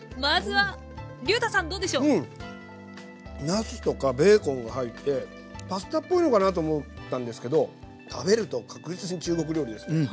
なすとかベーコンが入ってパスタっぽいのかなと思ったんですけど食べると確実に中国料理ですね。